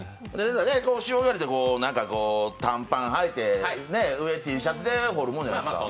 潮干狩りって何かこう短パン履いて、上Ｔシャツでおるもんじゃないですか。